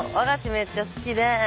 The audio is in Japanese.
めっちゃ好きで。